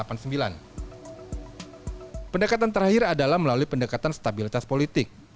pendekatan terakhir adalah melalui pendekatan stabilitas politik